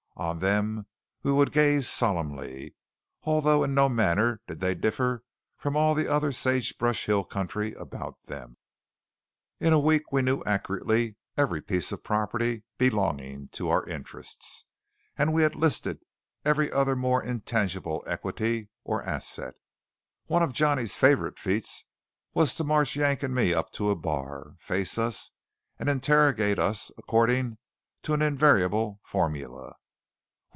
On them we would gaze solemnly, although in no manner did they differ from all the other sage brush hill country about them. In a week we knew accurately every piece of property belonging to Our Interests, and we had listed every other more intangible equity or asset. One of Johnny's favourite feats was to march Yank and me up to a bar, face us, and interrogate us according to an invariable formula.